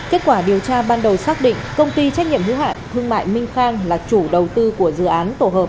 kết quả điều tra ban đầu xác định công ty trách nhiệm hữu hạn thương mại minh khang là chủ đầu tư của dự án tổ hợp